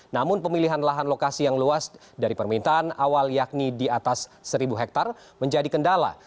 namun pemilihan lahan lokasi yang luas dari permintaan awal yakni di atas seribu hektare menjadi kendala